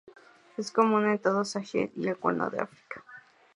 Es común en todo el Sahel y el cuerno de África.